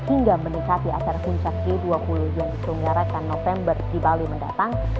hingga meningkat di atas puncak g dua puluh yang diselenggarakan november di bali mendatang